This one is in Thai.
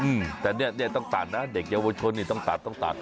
อืมแต่เนี้ยเนี่ยต้องตัดนะเด็กเยาวชนนี่ต้องตัดต้องตัด